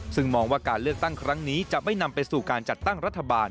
ซึ่งมองว่าการเลือกตั้งครั้งนี้จะไม่นำไปสู่การจัดตั้งรัฐบาล